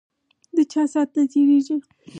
ده چا سات نه تیریږی